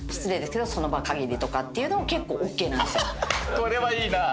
これはいいな！